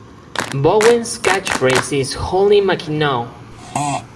Bowen's catchphrase is Holy Mackinaw!